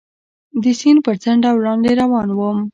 د سیند پر څنډه وړاندې روان ووم.